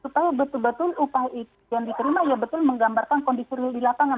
supaya betul betul upah yang dikerima ya betul menggambarkan kondisi di lapangan